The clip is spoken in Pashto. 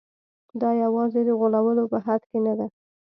دا یوازې د غولولو په حد کې نه ده.